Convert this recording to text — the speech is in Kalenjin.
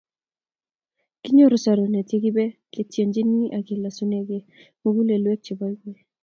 Kinyoru sorunet yekibe ketienchi ak keloseng mugulelwek cheboiboi